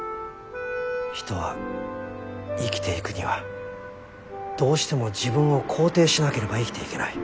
人は生きていくにはどうしても自分を肯定しなければ生きていけない。